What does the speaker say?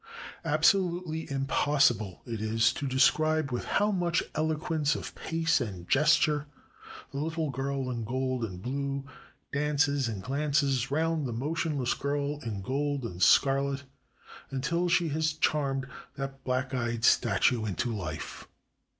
Absolutely impossible is it to describe with how much eloquence of pace and gesture the little girl in gold and blue dances and glances round the motion less girl in gold and scarlet, until she has charmed that black eyed statue into life.